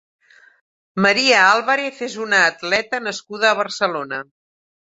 María Álvarez és una atleta nascuda a Barcelona.